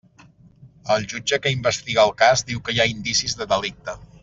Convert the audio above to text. El jutge que investiga el cas diu que hi ha indicis de delicte.